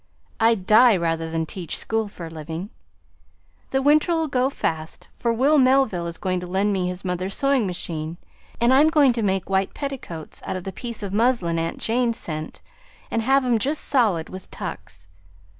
I'd die rather than teach school for a living. The winter'll go fast, for Will Melville is going to lend me his mother's sewing machine, and I'm going to make white petticoats out of the piece of muslin aunt Jane sent, and have 'em just solid with tucks.